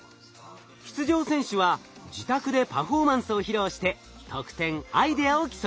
出場選手は自宅でパフォーマンスを披露して得点アイデアを競います。